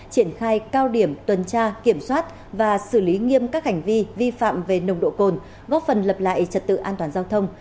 triển khai cao điểm tuần tra kiểm soát và xử lý nghiêm các hành vi vi phạm về nồng độ cồn góp phần lập lại trật tự an toàn giao thông